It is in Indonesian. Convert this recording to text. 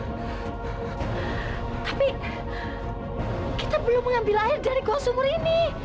tapi kita belum mengambil air dari gua sumur ini